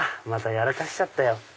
またやらかしちゃったよ」。